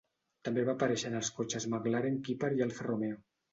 També va aparèixer en els cotxes McLaren, Cooper i Alfa Romeo.